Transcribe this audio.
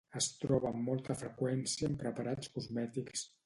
Es troba amb molta freqüència en preparats cosmètics.